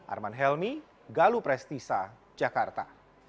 arman helmy galuh prestisa jakarta